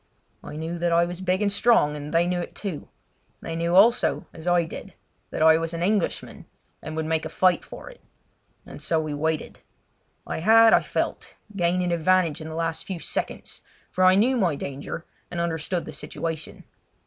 I knew that I was big and strong, and they knew it, too. They knew also, as I did, that I was an Englishman and would make a fight for it; and so we waited. I had, I felt, gained an advantage in the last few seconds, for I knew my danger and understood the situation.